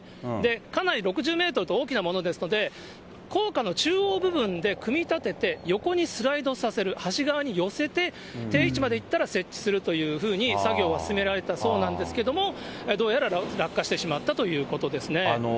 かなり６０メートルと大きなものですので、高架の中央部分で組み立てて、横にスライドさせる、橋側に寄せて、定位置まで行ったら設置するというふうに作業は進められていたそうなんですけれども、どうやら落下してしまったということですね。